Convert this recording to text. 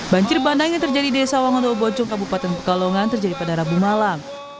banjir bandang yang terjadi di desa wangodo bojong kabupaten pekalongan terjadi pada rabu malam